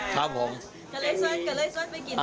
ครับผม